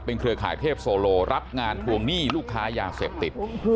เครือข่ายเทพโซโลรับงานทวงหนี้ลูกค้ายาเสพติด